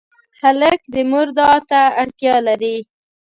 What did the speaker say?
هلک د مور دعا ته اړتیا لري.